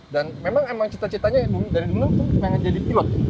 dan memang cita citanya dari dulu pengen jadi pilot